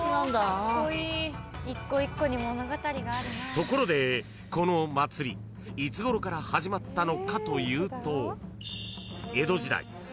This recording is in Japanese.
［ところでこの祭りいつごろから始まったのかというと］